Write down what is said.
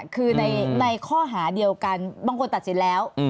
คือในข้อหาเดียวกันบางคนตัดสินแล้ว